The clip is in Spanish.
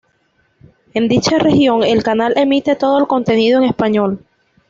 En dicha región, el canal emite todo el contenido en español.